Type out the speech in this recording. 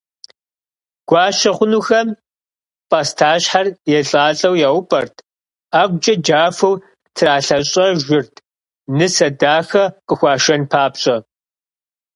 Гуащэ хъунухэм пӏастащхьэр елӏалӏэу яупӏэрт, ӏэгукӏэ джафэу тралъэщӏэжырт, нысэ дахэ къыхуашэн папщӏэ.